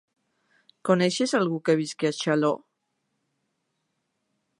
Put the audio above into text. Coneixes algú que visqui a Xaló?